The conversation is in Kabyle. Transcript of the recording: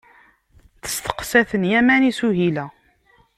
Testeqsa-ten Yamani Suhila.